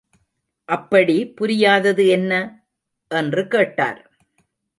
அப்படி புரியாதது என்ன? என்று கேட்டார்.